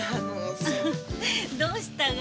どうしたが？